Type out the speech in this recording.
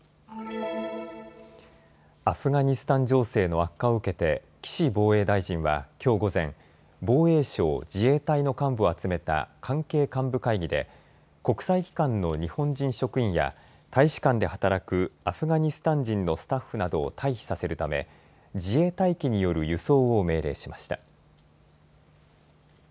アフガニスタン情勢の悪化を受けて、岸防衛大臣はきょう午前、防衛省・自衛隊の幹部を集めた関係幹部会議で、国際機関の日本人職員や、大使館で働くアフガニスタン人のスタッフなどを退避させるため、自衛隊機による輸送を命令しました。